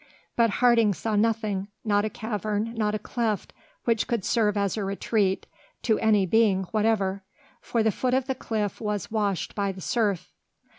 But Harding saw nothing, not a cavern, not a cleft which could serve as a retreat to any being whatever, for the foot of the cliff was washed by the surf.